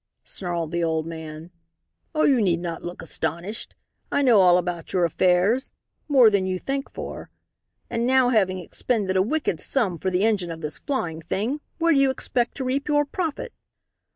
snarled the old man. "Oh, you need not look astonished. I know all about your affairs. More than you think for. And now having expended a wicked sum for the engine of this flying thing where do you expect to reap your profit?"